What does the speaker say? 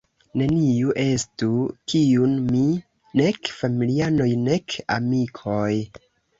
Neniu estu kun mi, nek familianoj nek amikoj.